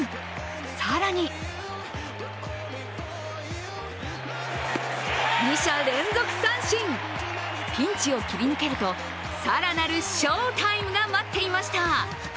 更に２者連続三振、ピンチを切り抜けると、更なる翔タイムが待っていました。